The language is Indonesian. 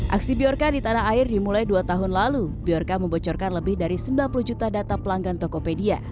aksi bjorka di tanah air dimulai dua tahun lalu bjorka membocorkan lebih dari sembilan puluh juta data pelanggan tokopedia